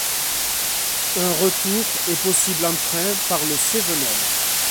Un retour est possible en train par Le Cévenol.